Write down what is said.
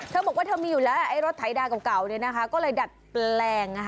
เธอบอกว่าเธอมีอยู่แล้วไอ้รถไถดาเก่าก็เลยดัดแปลง